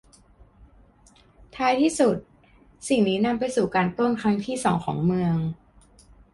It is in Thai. ท้ายที่สุด สิ่งนี้นำไปสู่การปล้นครั้งที่สองของเมือง